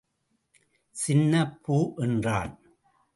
சின்ன பூ என்றாள்.